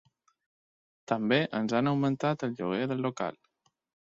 També ens han augmentat el lloguer del local.